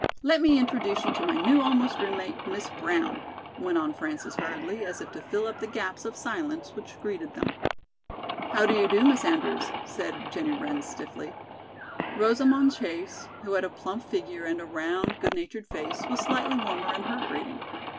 Let me introduce you to my new almost roommate, Miss Brown," went on Frances hurriedly, as if to fill up the gaps of silence which greeted them. "How do you do, Miss Andrews," said Jennie Wren, stiffly. Rosamond Chase, who had a plump figure and a round, good natured face, was slightly warmer in her greeting.